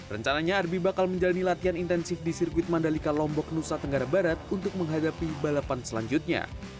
rencananya arbi bakal menjalani latihan intensif di sirkuit mandalika lombok nusa tenggara barat untuk menghadapi balapan selanjutnya